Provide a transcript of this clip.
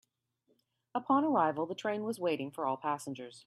Upon arrival, the train was waiting for all passengers.